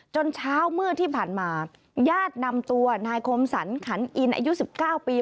เช้ามืดที่ผ่านมาญาตินำตัวนายคมสรรขันอินอายุ๑๙ปี